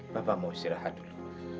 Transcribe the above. bapak mau istirahat dulu